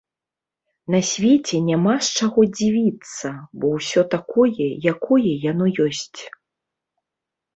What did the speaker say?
На свеце няма з чаго дзівіцца, бо ўсё такое, якое яно ёсць.